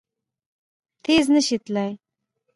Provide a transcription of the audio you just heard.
تېز نه شي تلای!